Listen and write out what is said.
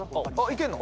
いけんの？